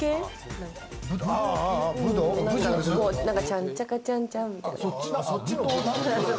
なんかちゃんちゃかちゃんちゃんみたいな。